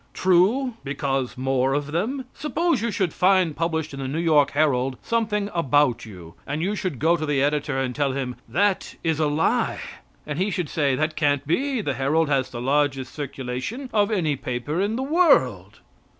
True, because more of them. Suppose you should find published in the New York Herald something about you, and you should go to the editor and tell him: "That is a lie;" and he should say: "That can't be; the Herald has the largest circulation of any paper in the world."